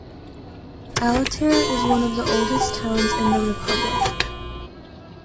Alatyr is one of the oldest towns in the republic.